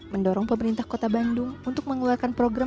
mendorong pemerintah kota bandung untuk mengeluarkan program